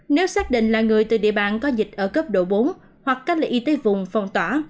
nếu xác định là người từ địa bàn có dịch ở cấp độ bốn hoặc cách ly y tế vùng phong tỏa